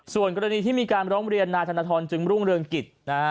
ส่วนกรณีที่มีการร้องเรียนนายธนทรจึงรุ่งเรืองกิจนะฮะ